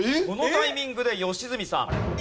このタイミングで良純さん。